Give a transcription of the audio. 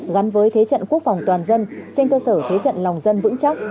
gắn với thế trận quốc phòng toàn dân trên cơ sở thế trận lòng dân vững chắc